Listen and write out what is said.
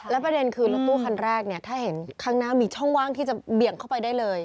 แล้วประเด็นคือรถตู้ครั้งแรกถ้าเห็นครั้งหน้ามีช่องว่างที่จะเบี่ยงเข้าไปได้เลย